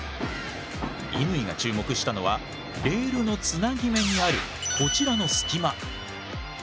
乾が注目したのはレールのつなぎ目にあるこちらの隙間。